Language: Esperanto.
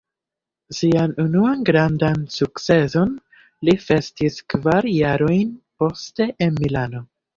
Sian unuan grandan sukceson li festis kvar jarojn poste en Milano.